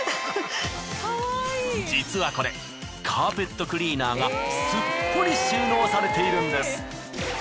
実はこれカーペットクリーナーがスッポリ収納されているんです。